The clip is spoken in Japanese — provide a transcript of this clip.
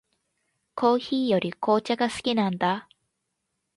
コーヒーより紅茶が好きなんだ。